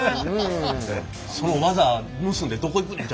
その技盗んでどこ行くねん！